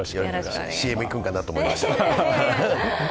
ＣＭいくんかなと思いました。